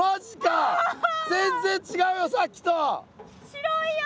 白いよ。